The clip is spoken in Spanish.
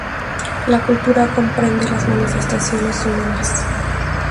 La cultura comprende las manifestaciones humanas.